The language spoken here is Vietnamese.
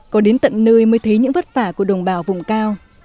có đến tận nơi mới thấy những vất vả của đồng bào vùng cao